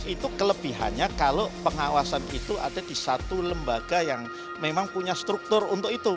itu kelebihannya kalau pengawasan itu ada di satu lembaga yang memang punya struktur untuk itu